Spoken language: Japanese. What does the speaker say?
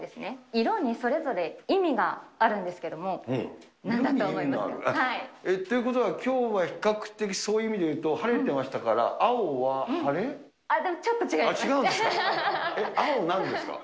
色にそれぞれ意味があるんですけえっ？ということは、きょうは比較的そういう意味でいうと晴れてましたから、青は晴れ？あっ、違うんですか？